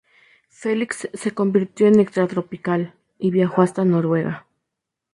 Felix se convirtió en extratropical, y viajó hasta Noruega.